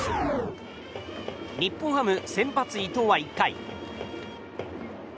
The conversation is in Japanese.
日本ハム先発、伊藤は１回。